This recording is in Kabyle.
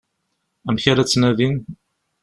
Amek ara tt-nadin?